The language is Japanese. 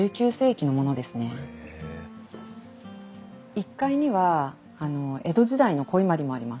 １階には江戸時代の古伊万里もあります。